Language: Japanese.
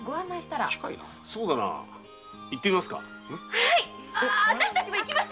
そうだなはいッ行ってみますか？